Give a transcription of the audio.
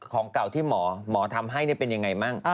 ของเก่าที่มอทำให้เนี่ยเป็นอย่างไรมั่ง